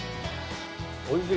おいしい。